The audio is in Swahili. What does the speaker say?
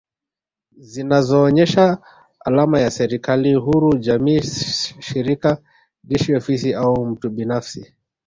Zinazoonyesha alama ya serikali huru jamii shirika jeshi ofisi au mtu binafsi